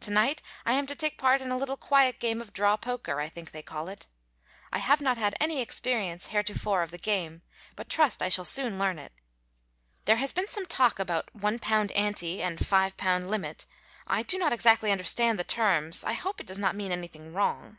To night I am to take part in a little quiet game of draw poker, I think they call it. I have not had any experience heretofore in the game, but trust I shall soon learn it. There has been some talk about £1 ante and £5 limit. I do not exactly understand the terms. I hope it does not mean anything wrong.